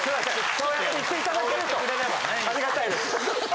そうやって言っていただけるとありがたいです。